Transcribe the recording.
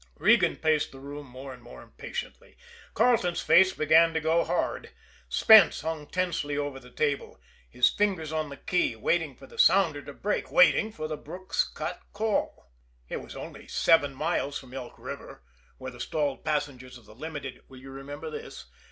Regan paced the room more and more impatiently. Carleton's face began to go hard. Spence hung tensely over the table, his fingers on the key, waiting for the sounder to break, waiting for the Brook's Cut call. It was only seven miles from Elk River, where the stalled passengers of the Limited will you remember this?